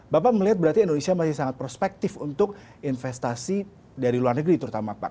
bapak melihat berarti indonesia masih sangat prospektif untuk investasi dari luar negeri terutama pak